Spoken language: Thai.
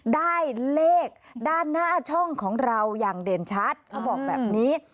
ได้เลขด้านหน้าช่องของเราอย่างเด่นชัดเขาบอกแบบนี้